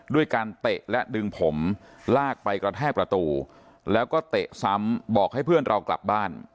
ด้วยการเตะและดึงผมลากไปกระแทกประตูแล้วก็เตะซ้ำบอกให้เพื่อนเรากลับบ้าน